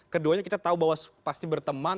keduanya kita tahu bahwa pasti berteman